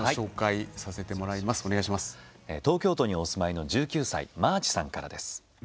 東京都にお住まいの１９歳、まーちさんからです。